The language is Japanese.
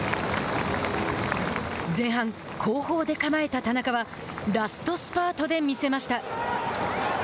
前半後方で構えた田中はラストスパートで見せました。